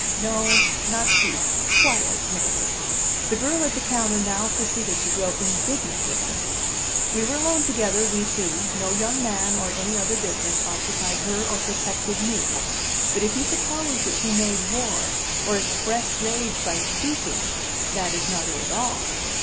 No, not peace; quiet, merely; the girl at the counter now proceeded to grow indignant with me. We were alone together, we two; no young man, or any other business, occupied her or protected me. But if you suppose that she made war, or expressed rage by speaking, that is not it at all.